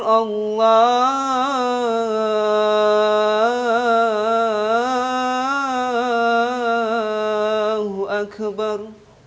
allahu akbar allahu akbar